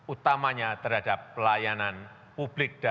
utamanya terhadap pelayanan publik dan negara